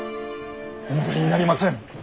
お戻りになりません！